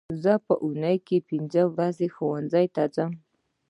زه په اونۍ کې پینځه ورځې ښوونځي ته ځم